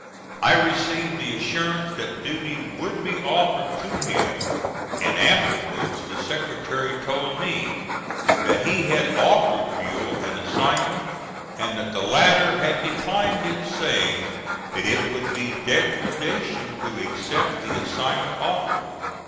I received the assurance that duty would be offered to him; and afterwards the Secretary told me that he had offered Buell an assignment and that the latter had declined it, saying that it would be degradation to accept the assignment offered.